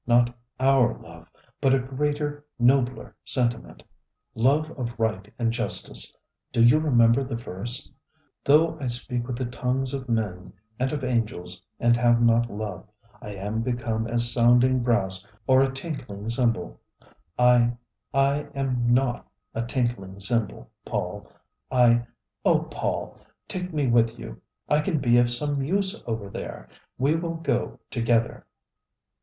Not our love, but a greater, nobler sentiment: love of Right and Justice. Do you remember the verse: 'Though I speak with the tongues of men and of angels, and have not love, I am become as sounding brass or a tinkling cymbal.' I I am not a tinkling cymbal, Paul. I Oh, Paul, take me with you! I can be of some use over there. We will go together."